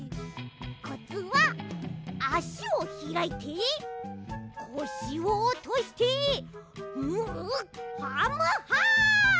コツはあしをひらいてこしをおとしてムハムハ！